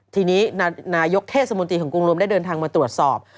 ทีนี้นายกเทศมนตรีของกรุงรวมได้เดินทางมาตรวจสอบ